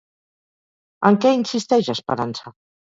En què insisteix Esperança?